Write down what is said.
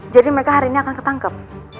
jadi mereka hari ini akan ketangkep